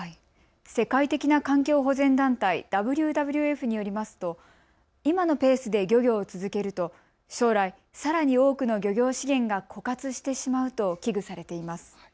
世界的な環境保全団体、ＷＷＦによりますと今のペースで漁業を続けると将来、さらに多くの漁業資源が枯渇してしまうと危惧されています。